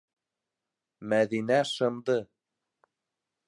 - Мәҙинә шымды.